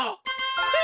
えっ？